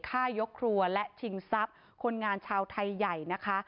ฆ่ายกครัวและชิงทรัพย์คนงานชาวไทยใหญ่นะคะ